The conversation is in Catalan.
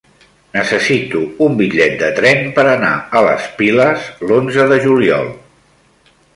Necessito un bitllet de tren per anar a les Piles l'onze de juliol.